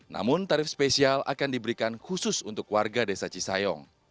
namun tarif spesial akan diberikan khusus untuk warga desa cisayong